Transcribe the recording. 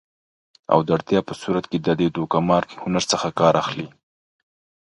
او د اړتیا په صورت کې د دې دوکه مار هنر څخه کار اخلي